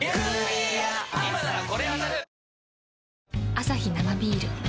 アサヒ生ビール